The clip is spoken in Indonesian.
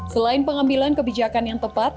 selain pengambilan kebijakan yang tepat